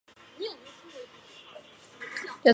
东北福祉大学网站